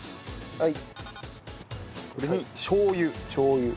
はい。